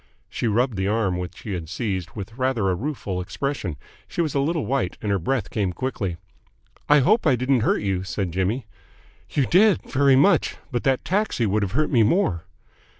She rubbed the arm which he had seized with rather a rueful expression. She was a little white, and her breath came quickly. "I hope I didn't hurt you," said Jimmy. "You did. Very much. But the taxi would have hurt me more."